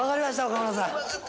岡村さん。